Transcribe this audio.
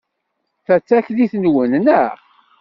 Ta d taklit-nwen, naɣ?